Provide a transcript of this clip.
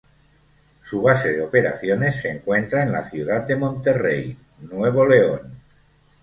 Su base de operaciones se encuentra en la ciudad de Monterrey, Nuevo León.